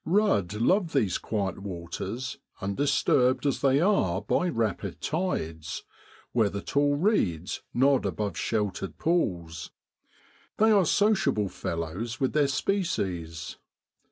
Kudd love these quiet waters, undis turbed as they are by rapid tides, where the tall reeds nod above sheltered pools. They are sociable fellows with their species.